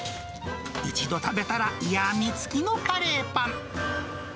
一度食べたらやみつきのカレーパン。